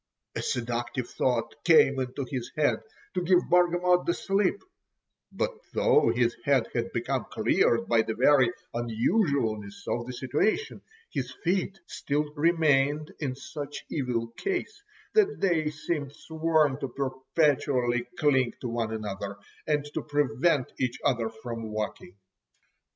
A seductive thought came into his head—to give Bargamot the slip, but though his head had become cleared by the very unusualness of the situation his feet still remained in such evil case, that they seemed sworn to perpetually cling to one another, and to prevent each other from walking.